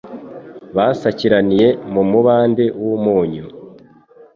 basakiraniye mu mubande w’Umunyu